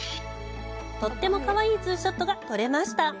とってもかわいいツーショットが撮れました。